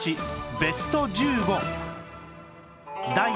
ベスト１５